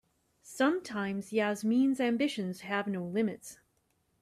Sometimes Yasmin's ambitions have no limits.